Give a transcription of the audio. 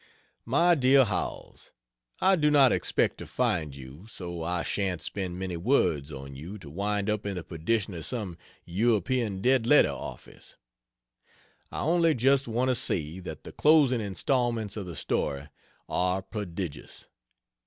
MY DEAR HOWELLS, I do not expect to find you, so I shan't spend many words on you to wind up in the perdition of some European dead letter office. I only just want to say that the closing installments of the story are prodigious.